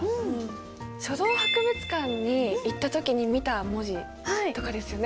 書道博物館に行った時に見た文字とかですよね？